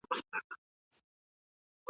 زاړه درمل مه کاروه